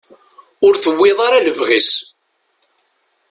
Ur tewwiḍ ara lebɣi-s.